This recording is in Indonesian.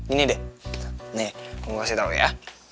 ini deh nih kamu kasih tau ya